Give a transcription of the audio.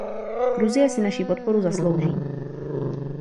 Gruzie si naši podporu zaslouží.